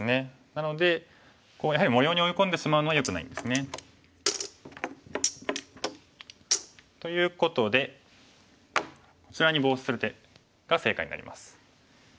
なのでやはり模様に追い込んでしまうのはよくないんですね。ということでこちらにボウシする手が正解になります。